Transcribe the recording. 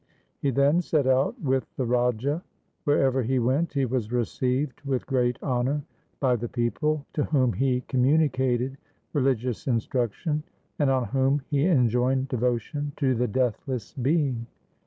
He then set out with the Raja. Wherever he went he was received with great honour by the people, to whom he communicated religious instruc tion, and on whom he enjoined devotion to the Deathless Being.